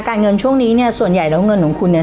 เงินช่วงนี้เนี่ยส่วนใหญ่แล้วเงินของคุณเนี่ย